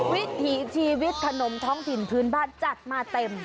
วิถีชีวิตขนมท้องถิ่นพื้นบ้านจัดมาเต็ม